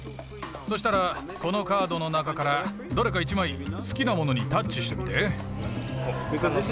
そしたらこのカードの中からどれか１枚好きなものにタッチしてみて。